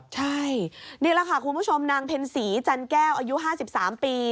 ใช่นี่แหละค่ะคุณผู้ชมนางเพ็ญศรีจันแก้วอายุ๕๓ปี